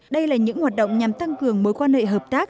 đây là những hoạt động nhằm tăng cường mối quan hệ hợp tác